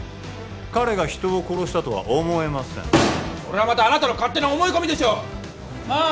彼が人を殺したとは思えませんそれはまたあなたの勝手な思い込みでしょうまあ